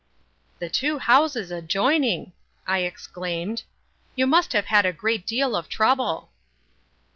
"The two houses adjoining!" I exclaimed; "you must have had a great deal of trouble."